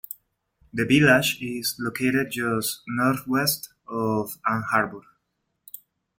The village is located just northwest of Ann Arbor.